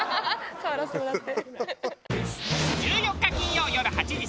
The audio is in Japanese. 触らせてもらって。